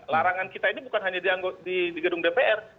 larangan kita ini bukan hanya di gedung dpr